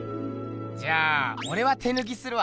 じゃあおれは手ぬきするわ。